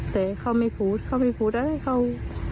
แต่เขาไม่พูดเขาไม่พูดอะไรเขา